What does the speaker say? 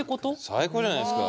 最高じゃないですか。